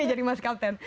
iya jadi mas captain